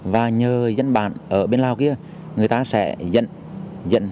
và nhờ dẫn bạn ở bên lào kia người ta sẽ dẫn